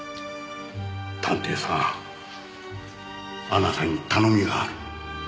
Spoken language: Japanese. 探偵さんあなたに頼みがある。